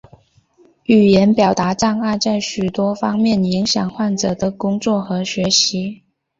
言语表达障碍在许多方面影响患者的工作和学习。